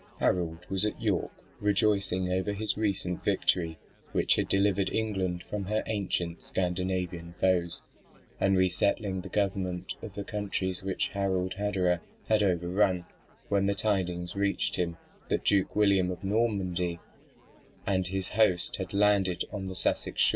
Harold was at York, rejoicing over his recent victory, which had delivered England from her ancient Scandinavian foes, and resettling the government of the counties which Harald Hardrada had overrun, when the tidings reached him that Duke William of Normandy and his host had landed on the Sussex shore.